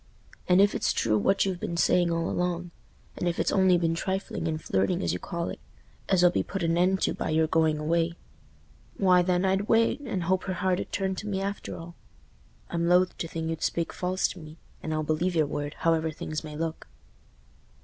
And if it's true what you've been saying all along—and if it's only been trifling and flirting as you call it, as 'll be put an end to by your going away—why, then, I'd wait, and hope her heart 'ud turn to me after all. I'm loath to think you'd speak false to me, and I'll believe your word, however things may look."